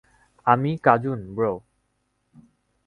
আমি cousin, bro.